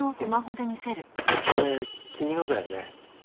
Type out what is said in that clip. これ君のだよね？